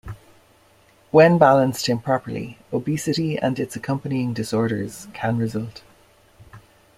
When balanced improperly, obesity and its accompanying disorders can result.